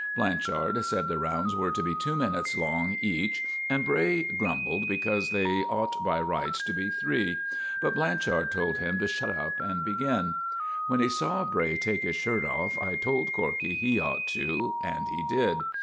Blanchard said the rounds were to be two minutes long each, and Bray grumbled because they ought by rights to be three. But Blanchard told him to shut up and begin. When we saw Bray take his shirt off I told Corkey he ought to, and he did.